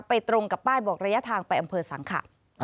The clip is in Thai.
ตรงกับป้ายบอกระยะทางไปอำเภอสังขะ